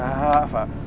fah fah fah